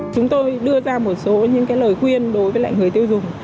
chúng tôi đưa ra một số những cái lời khuyên đối với người tiêu dùng